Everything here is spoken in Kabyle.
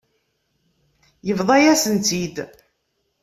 Yebḍa-yasen-tt-id.